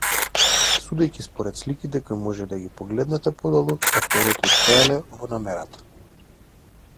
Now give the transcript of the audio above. Судејќи според сликите кои може да ги погледнете подолу, авторите успеале во намерата.